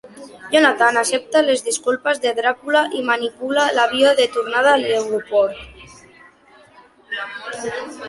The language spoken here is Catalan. Jonathan accepta les disculpes de Dràcula i manipula l'avió de tornada a l'aeroport.